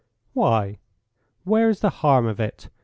"Why; where is the harm of it?